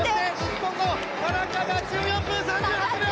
田中が１４分３８秒！